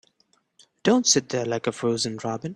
Don't sit there like a frozen robin.